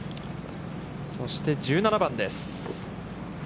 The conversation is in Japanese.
そして１７番です。